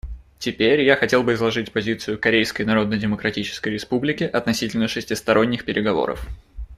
Теперь я хотел бы изложить позицию Корейской Народно-Демократической Республики относительно шестисторонних переговоров.